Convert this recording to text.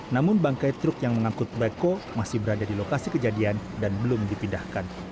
namun bangkai truk yang mengangkut bako masih berada di lokasi kejadian dan belum dipindahkan